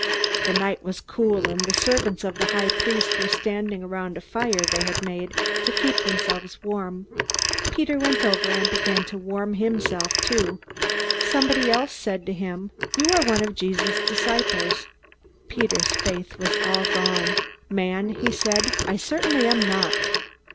The night was cool, and the servants of the high priest were standing around a fire they had made to keep themselves warm. Peter went over and began to warm himself too. Somebody else said to him, "You are one of Jesus' disciples." Peter's faith was all gone. "Man," he said, "I certainly am not!"